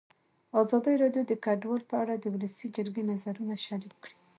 ازادي راډیو د کډوال په اړه د ولسي جرګې نظرونه شریک کړي.